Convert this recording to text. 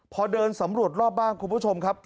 พอเดินสำรวจรอบบ้านคุณผู้ชมครับ